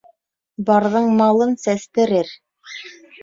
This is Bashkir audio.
Барҙың малын сәстерер